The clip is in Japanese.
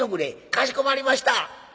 「かしこまりました。